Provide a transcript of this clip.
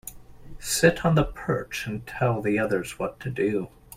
Sit on the perch and tell the others what to do.